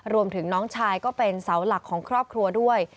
รวมถึงน้องชายก็เป็นเสาหลักของครอบครัวด้วย